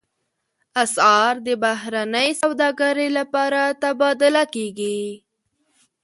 اسعار د بهرنۍ سوداګرۍ لپاره تبادله کېږي.